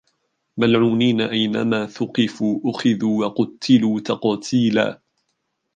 مَلْعُونِينَ أَيْنَمَا ثُقِفُوا أُخِذُوا وَقُتِّلُوا تَقْتِيلًا